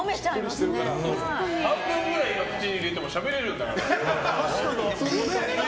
半分ぐらい口に入れてもしゃべられるんだから。